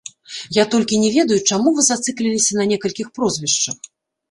Я толькі не ведаю, чаму вы зацыкліліся на некалькіх прозвішчах.